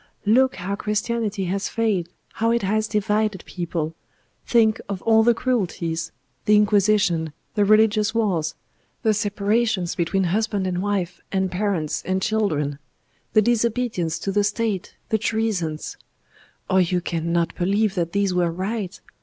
"Look how Christianity has failed how it has divided people; think of all the cruelties the Inquisition, the Religious Wars; the separations between husband and wife and parents and children the disobedience to the State, the treasons. Oh! you cannot believe that these were right.